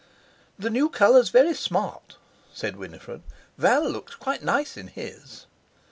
"The new colour's very smart," said Winifred; "Val looks quite nice in his."